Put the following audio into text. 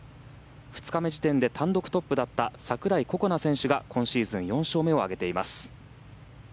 ２日目時点で単独トップだった櫻井心那選手が今シーズン４勝目を挙げています。